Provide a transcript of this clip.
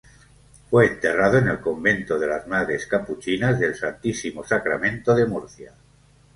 Fue enterrado en el convento de las Madres Capuchinas del Santísimo Sacramento de Murcia.